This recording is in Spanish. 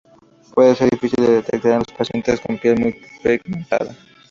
Puede ser difícil de detectar en los pacientes con piel muy pigmentada.